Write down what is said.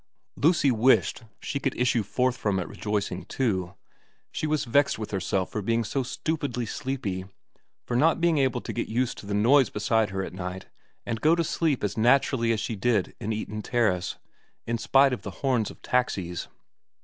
Lucy wished she could issue forth from it rejoicing too. She was vexed with herself for being so stupidly sleepy, for not being able to get used to the noise beside her at night and go to sleep as naturally as she did in Eaton Terrace, in spite of the horns of taxis.